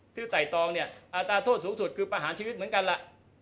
คือไต่ตองเนี่ยอัตราโทษสูงสุดคือประหารชีวิตเหมือนกันล่ะ